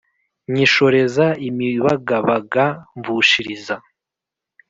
Nyishoreza imibagabaga mvushiriza